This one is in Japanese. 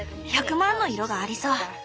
１００万の色がありそう。